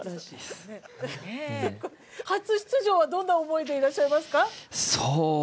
初出場はどんな思いでいらっしゃいますか。